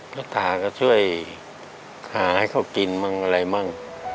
ก็ตาก็ช่วยหาให้เขากินอะไรมั่ง